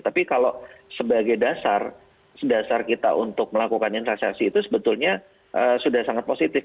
tapi kalau sebagai dasar dasar kita untuk melakukan investasi itu sebetulnya sudah sangat positif